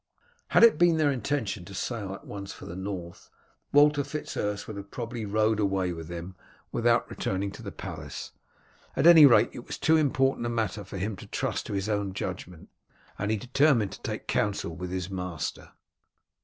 Had it been their intention to sail at once for the North, Walter Fitz Urse would probably have rowed away with them without returning to the palace. At any rate it was too important a matter for him to trust to his own judgment, and he determined to take counsel with his master.